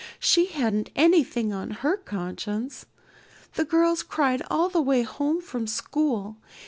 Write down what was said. She hadn't anything on her conscience. The girls cried all the way home from school.